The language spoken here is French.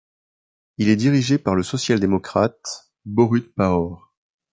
Il est dirigé par le social-démocrate Borut Pahor.